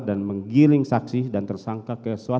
dan menggiling saksi dan tersangka ke suatu hal